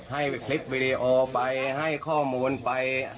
ให้คลิปวิดีโอไปให้ข้อมูลไป